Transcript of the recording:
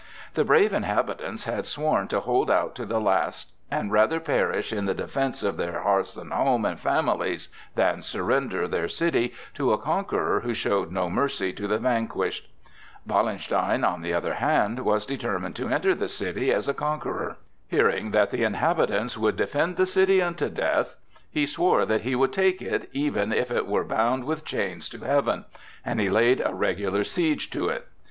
The brave inhabitants had sworn to hold out to the last and rather perish in the defence of their hearths and homes and families than surrender their city to a conqueror who showed no mercy to the vanquished. Wallenstein, on the other hand, was determined to enter the city as a conqueror. Hearing that the inhabitants would defend the city unto death, he swore that he would take it, even if it were bound with chains to Heaven, and he laid a regular siege to it.